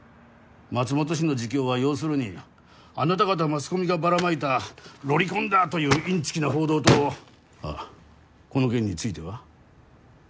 松本氏の自供は要するにあなた方マスコミがばらまいたロリコンだといういんちきな報道とあっこの件については？